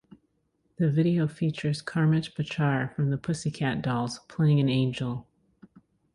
The video features Carmit Bachar from the Pussycat Dolls, playing an angel.